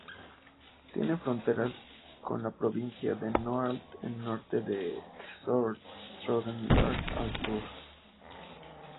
Tiene fronteras con las provincias de Nordland al norte y Sør-Trøndelag al sur.